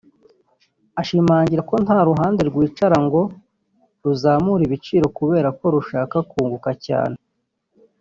Ashimangira ko nta ruhande rwicara ngo ruzamure ibiciro kubera ko rushaka kunguka cyane